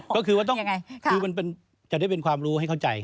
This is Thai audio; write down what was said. ก็คือว่าต้องยังไงคือมันจะได้เป็นความรู้ให้เข้าใจ